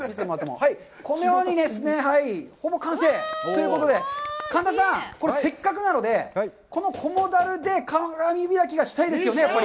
このようにですね、ほぼ完成ということで、神田さん、これ、せっかくなので、この菰樽で鏡開きがしたいですよね、やっぱり。